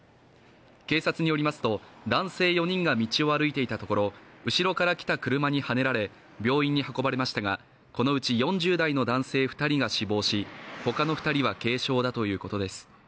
警察によりますと、男性４人が道を歩いていたところ後ろから来た車にはねられ、病院に運ばれましたが、このうち４０代の男性２人が死亡し他の２人は軽傷だということです。